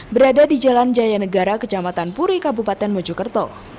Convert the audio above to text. berada di jalan jaya negara kecamatan puri kabupaten mojokerto